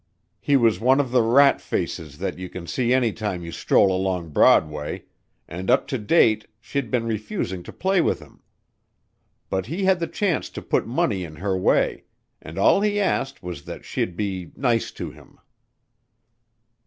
He was one of the rat faces that you can see any time you stroll along Broadway, and up to date she'd been refusing to play with him. But he had the chance to put money in her way and all he asked was that she'd 'be nice to him.'"